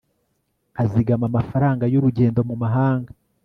azigama amafaranga y'urugendo mu mahanga